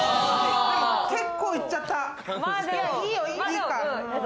結構行っちゃった。